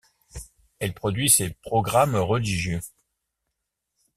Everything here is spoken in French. Elle produit ses programmes religieux.